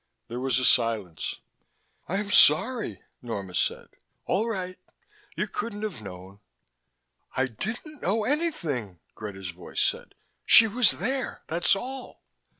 There was a silence. "I'm sorry," Norma said. "All right. You couldn't have known " "I didn't know anything," Greta's voice said. "She was there, that's all."